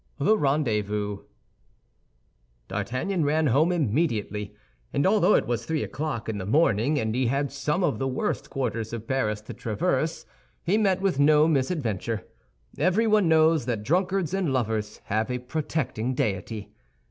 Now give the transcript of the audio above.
THE RENDEZVOUS D'Artagnan ran home immediately, and although it was three o'clock in the morning and he had some of the worst quarters of Paris to traverse, he met with no misadventure. Everyone knows that drunkards and lovers have a protecting deity.